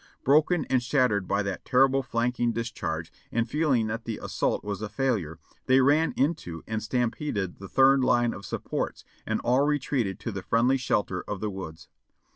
"Broken and shattered by that terrible flanking discharge, and feeling that the assault was a failure, they ran into and stam peded the third line of supports, and all retreated to the friendly shelter of the woods.